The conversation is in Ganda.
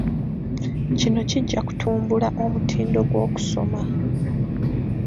Kino kijja kutumbula omutindo gw'okusoma.